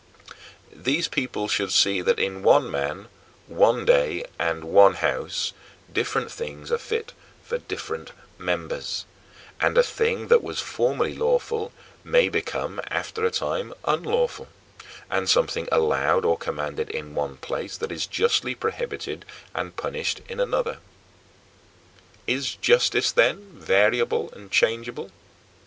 These people should see that in one man, one day, and one house, different things are fit for different members; and a thing that was formerly lawful may become, after a time, unlawful and something allowed or commanded in one place that is justly prohibited and punished in another. Is justice, then, variable and changeable?